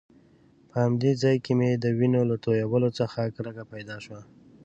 په همدې ځای کې مې د وینو له تويولو څخه کرکه پیدا شوه.